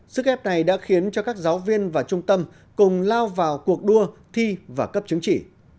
sức ép này đã khiến cho các giáo viên và trung tâm cùng lao vào cuộc đua thi và cấp chứng chỉ